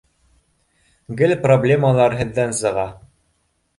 Гел проблемалар һеҙҙән сыға.